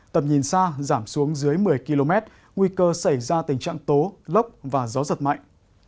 tầm nhìn xa giảm xuống dưới một mươi km nguy cơ xảy ra tình trạng tố lốc và gió giật mạnh